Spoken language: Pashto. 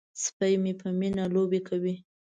سپی مې په مینه لوبې کوي.